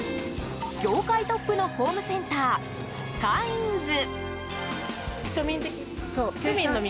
業界トップのホームセンターカインズ。